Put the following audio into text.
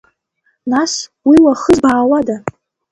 Нас, уи уахызбаауада?